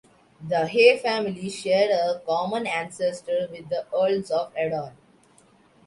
The Hay family share a common ancestor with the Earls of Erroll.